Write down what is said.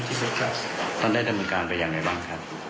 ทำได้ดำเนินการไปอย่างไรบ้างครับ